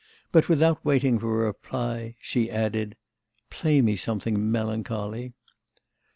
but, without waiting for a reply, she added: 'Play me something melancholy.